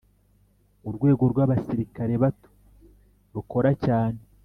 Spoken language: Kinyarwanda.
Urwego rw ‘Abasirikare bato rukora cyane.